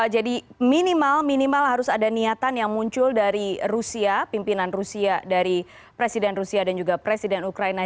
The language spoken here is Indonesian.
jadi minimal harus ada niatan yang muncul dari rusia pimpinan rusia dari presiden rusia dan juga presiden ukraina